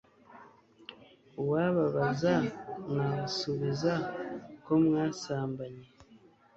uwababaza mwasubiza ko mwasambanye